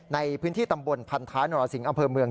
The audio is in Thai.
ในพื้นที่ตำบลพันท้ายนรสิงห์อำเภอเมือง